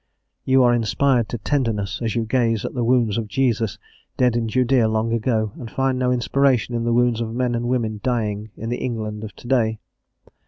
You are inspired to tenderness as you gaze at the wounds of Jesus, dead in Judaea long ago, and find no inspiration in the wounds of men and women dying in the England of to day?